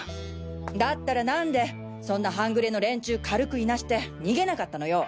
だったら何でそんな半グレの連中軽くいなして逃げなかったのよ！？